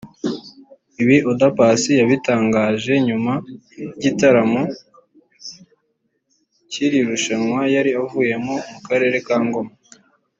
Ibi Oda Paccy yabitangaje nyuma y’igitaramo cy’iri rushanwa yari avuyemo mu karere ka Ngoma